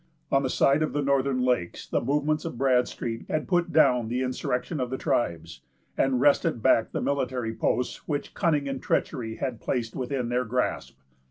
On the side of the northern lakes, the movements of Bradstreet had put down the insurrection of the tribes, and wrested back the military posts which cunning and treachery had placed within their grasp.